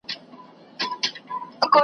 غاښ چي رنځور سي، نو د انبور سي .